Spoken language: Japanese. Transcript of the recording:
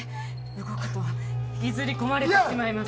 動くと引きずり込まれてしまいます。